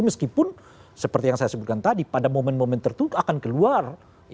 meskipun seperti yang saya sebutkan tadi pada momen momen tertentu akan keluar